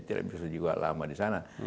tidak bisa juga lama di sana